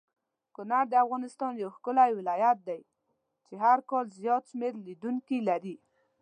کونړ دافغانستان یو ښکلی ولایت دی چی هرکال زیات شمیر لیدونکې لری